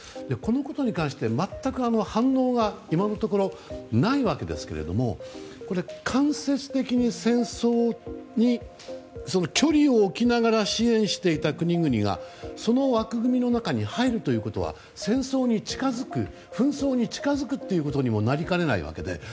このことに関して全く反応が今のところないわけですが間接的に戦争と距離を置きながら支援していた国々がその枠組みの中に入るということは戦争に近づく紛争に近づくということにもなりかねないわけで。